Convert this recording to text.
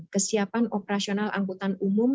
kesiapan operasional angkutan umum